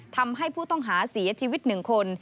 ทำให้ผู้ต้องหาเสียชีวิต๑คน